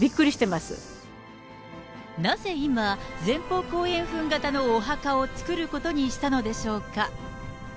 なぜ今、前方後円墳形のお墓を作ることにしたのでしょうか。